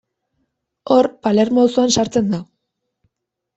Hor, Palermo auzoan sartzen da.